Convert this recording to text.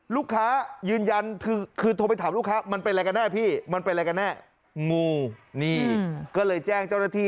ลูกค้ายืนยันคือโทรไปถามลูกค้ามันเป็นไรกันแน่พี่